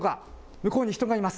向こうに人がいます。